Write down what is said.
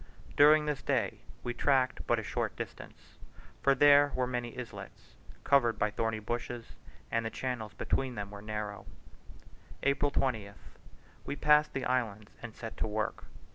During this day we tracked but a short distance, for there were many islets, covered by thorny bushes, and the channels between them were shallow. April 20th. We passed the islands and set to work.